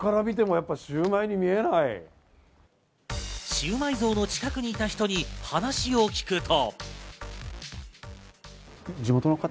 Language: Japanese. シウマイ像の近くにいた人に話を聞くと。